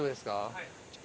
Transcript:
はい。